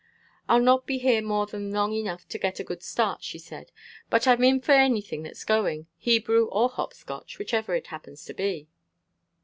"I'll not be here more than long enough to get a good start," she said, "but I'm in for anything that's going Hebrew or Hopscotch, whichever it happens to be."